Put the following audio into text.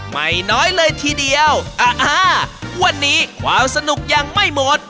ไม่น้อยเลยทีเดียวอ่าอ่าวันนี้ความสนุกยังไม่หมด